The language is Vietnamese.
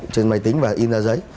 trên máy tính và im ra giấy